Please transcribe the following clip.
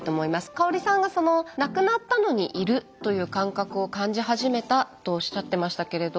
香さんが亡くなったのにいるという感覚を感じ始めたとおっしゃってましたけれど。